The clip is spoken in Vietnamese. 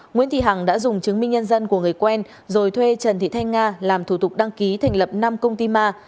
nguyễn thị hằng đã dùng chứng minh nhân dân của người quen rồi thuê trần thị thanh nga làm thủ tục đăng ký thành lập năm công ty ma